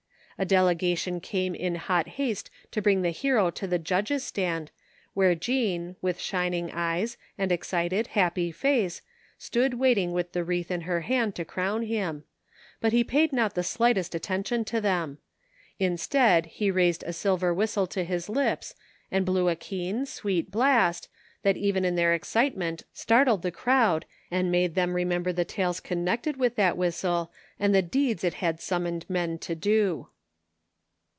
A delegation came in hot haste to bring the hero to the judges' stand where Jean, with shining eyes and excited, happy face, stood waiting with the wreath in her hand to crown him, but he paid not the slightest attention to them. Instead he raised a silver whistle to his lips and blew a keen, sweet blast, that even in their excitement startled the crowd and made them 229 THE FINDmG OF JASPER HOLT remember the tales comiected with that whistle and the deeds it had summoned men to do.